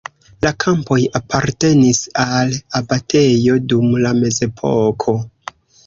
La kampoj apartenis al abatejo dum la mezepoko.